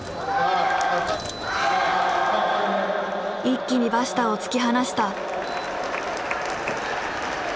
一気にバシタを突き放した。